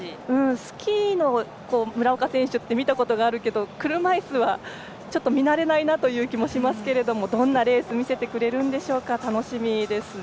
スキーの村岡選手って見たことがあるけど、車いすはちょっと見慣れないなという気もしますけれどもどんなレースを見せてくれるんでしょうか。